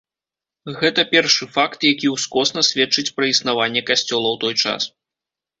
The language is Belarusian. Гэта першы факт, які ўскосна сведчыць пра існаванне касцёла ў той час.